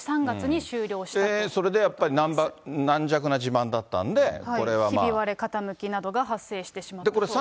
それでやっぱり、軟弱な地盤ひび割れ、傾きなどが発生してしまったということなんです。